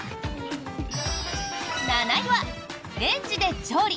７位は、レンジで調理！